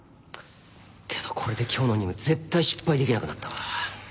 けどこれで今日の任務絶対失敗できなくなったわ。